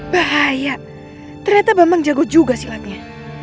bahaya ternyata memang jago juga silatnya